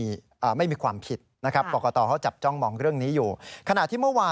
กรณีนี้ทางด้านของประธานกรกฎาได้ออกมาพูดแล้ว